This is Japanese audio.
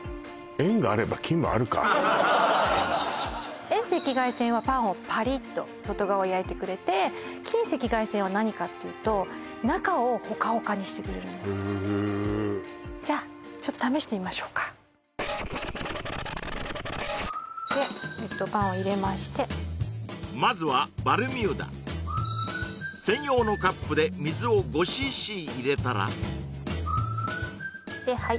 遠があれば近もあるか遠赤外線はパンをパリッと外側を焼いてくれて近赤外線は何かっていうと中をホカホカにしてくれるんですよへえじゃあちょっと試してみましょうかでえっとパンを入れましてまずはバルミューダ専用のカップで水を５ｃｃ入れたらではい